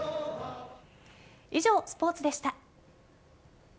以上、スポーツでした。